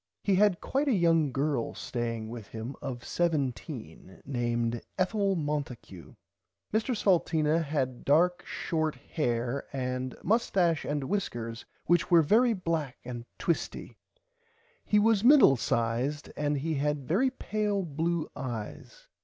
He had quite a young girl staying with him of 17 named Ethel Monticue. Mr Salteena had dark short hair and mustache and wiskers which were very black and twisty. He was middle sized and he had very pale blue eyes.